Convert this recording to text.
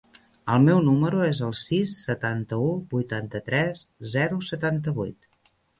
El meu número es el sis, setanta-u, vuitanta-tres, zero, setanta-vuit.